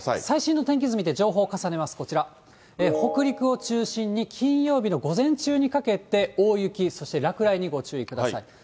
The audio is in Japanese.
最新の天気図見て、情報を重ねます、こちら、北陸を中心に、金曜日の午前中にかけて大雪、そして落雷にご注意ください。